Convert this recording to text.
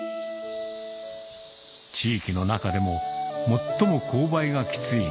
地域の中でも最も勾配がきつい